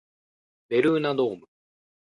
ベルーナドーム